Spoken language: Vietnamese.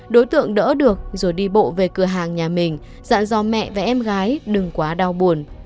đối tượng đỡ được rồi đi bộ về cửa hàng nhà mình dạ do mẹ và em gái đừng quá đau buồn